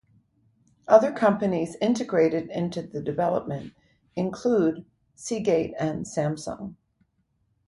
Other companies integrated into the development include Seagate and Samsung.